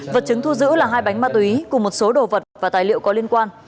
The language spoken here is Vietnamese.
vật chứng thu giữ là hai bánh ma túy cùng một số đồ vật và tài liệu có liên quan